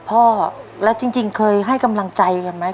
พ่อแล้วจริงเคยให้กำลังใจกันไหม